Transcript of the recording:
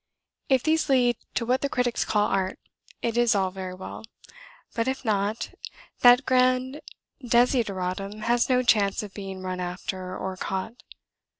If these lead to what the critics call art, it is all very well; but if not, that grand desideratum has no chance of being run after or caught.